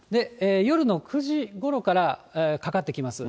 夜の９時ごろからかかってきます。